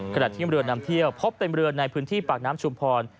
ขณะที่เรือนำเที่ยวพบเป็นเรือในพื้นที่ปากน้ำชุมพร